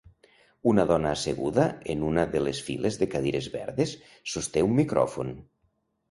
Una dona asseguda en una de les files de cadires verdes sosté un micròfon.